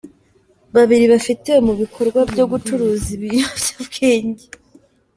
Babiri bafatiwe mu bikorwa byo gucuruza ibiyobya bwenge